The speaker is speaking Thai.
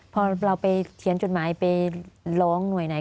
พอเราไปเขียนจดหมายไปร้องหน่วยไหน